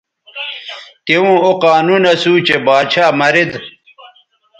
توؤں او قانون اسو چہء باچھا مرید